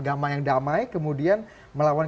pemain damai kemudian melawan